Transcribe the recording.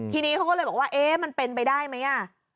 ทีนี้เขาก็เลยบอกว่าเอ๊ะมันเป็นไปได้ไหม